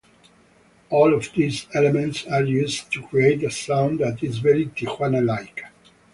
All of these elements are used to create a sound that is very Tijuana-like.